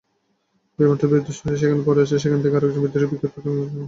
বিমানটি বিধ্বস্ত হয়ে যেখানে পড়েছে, সেখান থেকে আরেকজন বিদ্রোহী বিক্ষিপ্ত ধ্বংসাবশেষের বর্ণনা দেন।